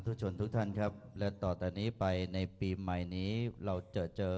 ชนทุกท่านครับและต่อแต่นี้ไปในปีใหม่นี้เราจะเจอ